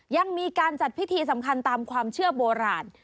ยังมีการจัดพิธีสำคัญตามความเชื่อโบราณ